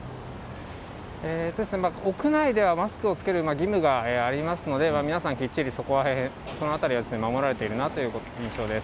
屋内ではマスクを着ける義務がありますので、皆さんきっちり、そのあたりは守られているなという印象です。